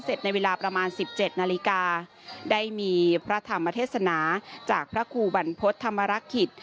ในเวลาประมาณ๑๗นาฬิกาได้มีพระธรรมเทศนาจากพระครูบรรพฤษธรรมรักขิต